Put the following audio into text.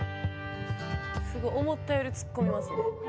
すごい思ったより突っ込みますね。